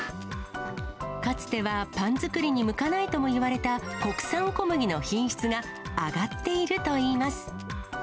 かつてはパン作りに向かないともいわれた国産小麦の品質が上がっているといいます。